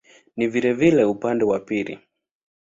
Ni vilevile upande wa pili.